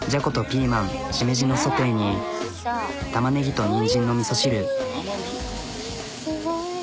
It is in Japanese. ピーマンしめじのソテーにたまねぎとにんじんのみそ汁。